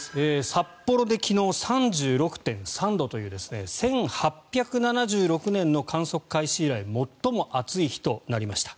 札幌で昨日３６．３度という１８７６年の観測開始以来最も暑い日となりました。